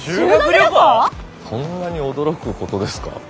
そんなに驚くことですか？